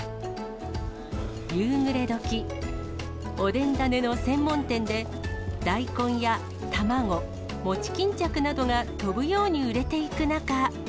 夕暮れどき、おでん種の専門店で大根や卵、もち巾着などが飛ぶように売れていく中。